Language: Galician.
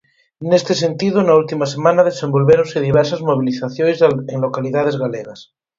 Neste sentido, na última semana desenvolvéronse diversas mobilizacións en localidades galegas.